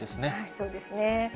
そうですね。